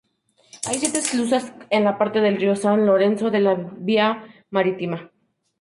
Hay siete esclusas en la parte del río San Lorenzo de la vía marítima.